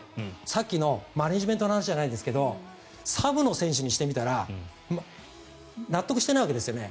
さっきのマネジメントの話じゃないですけどサブの選手にしてみたら納得してないわけですよね。